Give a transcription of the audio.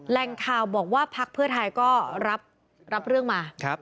แหลงข่าวบอกว่าพพไทยก็รับเรื่องมา